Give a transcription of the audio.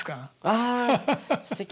わあすてき。